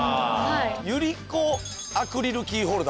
百合子アクリルキーホルダー。